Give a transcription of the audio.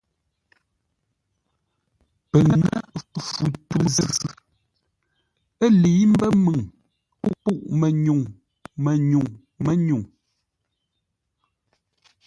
Pə́ ŋə̂ fu tû lə́ zʉ́ ə́ lə̌i mbə́ məŋ pûʼ-mənyuŋ mə́nyúŋ mə́nyúŋ,